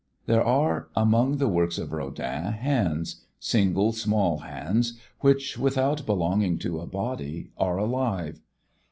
There are among the works of Rodin hands, single, small hands which, without belonging to a body, are alive.